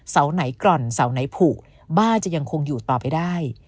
เสาไหนกร่อนเสาไหนผูกบ้าจะยังคงอยู่ต่อไปได้